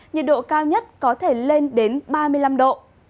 nhiệt độ cao nhất có thể lên đến ba mươi năm độ